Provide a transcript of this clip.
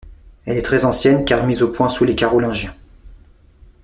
Elle est très ancienne car mise au point sous les Carolingiens.